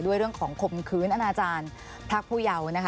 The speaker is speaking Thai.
ด้วยเรื่องของขมคืนอนาจารย์พรรคผู้เยาว์